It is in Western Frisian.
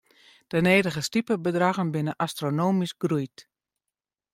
De nedige stipebedraggen binne astronomysk groeid.